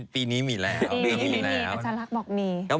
ปีนี้มีแล้ว